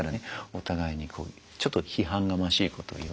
お互いにちょっと批判がましいこと言わない。